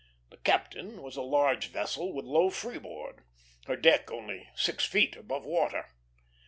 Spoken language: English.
The Captain was a large vessel with low freeboard, her deck only six feet above water.